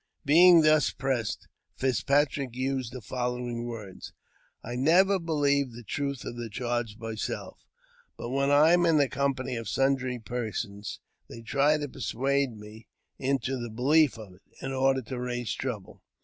Being thus pressed, Fitzpatrick used the following words : 21 i H urn. men r 322 AUTOBIOGBAPHY OF " I never believed the truth of the charge myself; but when am in the company of sundry persons, they try to persuade into the belief of it, in order to raise trouble.